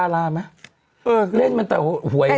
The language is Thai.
เล่นมันเต่าหวย